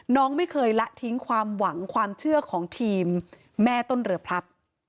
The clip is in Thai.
น้องไม่เคยละทิ้งความหวังความเชื่อของทีมแม่ต้นเรือพลับ